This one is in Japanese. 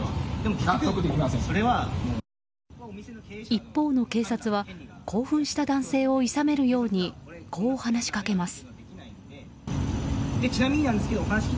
一方の警察は興奮した男性をいさめるようにこう話しかけます。